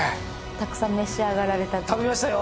たくさん召し上がられたり食べましたよ